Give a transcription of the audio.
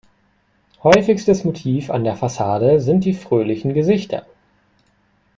Häufigstes Motiv an der Fassade sind die fröhlichen Gesichter.